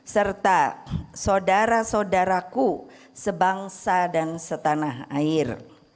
serta saudara saudaraku sebangsa dan setanah air